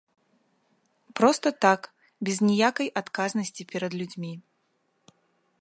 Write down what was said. Проста так, без ніякай адказнасці перад людзьмі.